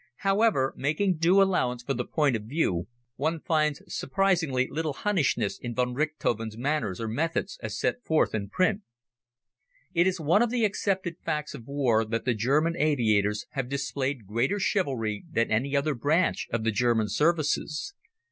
However, making due allowance for the point of view, one finds surprisingly little Hunnishness in von Richthofen's manners or methods as set forth in print. It is one of the accepted facts of the war that the German aviators have displayed greater chivalry than any other branch of the German services.